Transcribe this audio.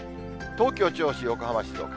東京、銚子、横浜、静岡。